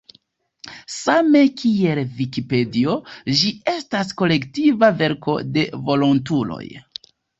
Same kiel Vikipedio, ĝi estas kolektiva verko de volontuloj.